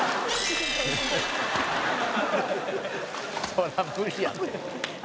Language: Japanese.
「そりゃ無理やって」